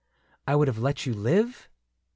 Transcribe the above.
I would have let you live ?